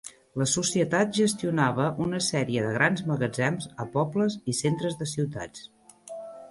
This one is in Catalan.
La societat gestionava una sèrie de grans magatzems a pobles i centres de ciutats.